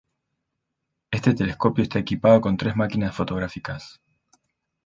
Este telescopio está equipado con tres máquinas fotográficas.